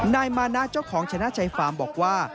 นายมานะเจ้าของชนะใจฟาร์มบอกว่า